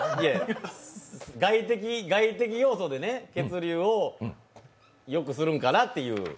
外的要素で血流をよくするのかなという。